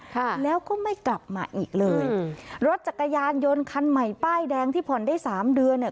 ค่ะแล้วก็ไม่กลับมาอีกเลยอืมรถจักรยานยนต์คันใหม่ป้ายแดงที่ผ่อนได้สามเดือนเนี้ย